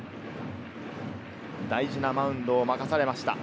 大事なマウンドを任されました。